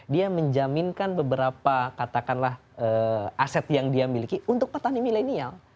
dia menjaminkan beberapa katakanlah aset yang dia miliki untuk petani milenial